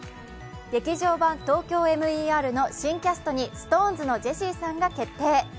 「劇場版ＴＯＫＹＯＭＥＲ」の新キャストにＳｉｘＴＯＮＥＳのジェシーさんが決定。